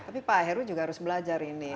tapi pak heru juga harus belajar ini